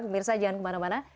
pemirsa jangan kemana mana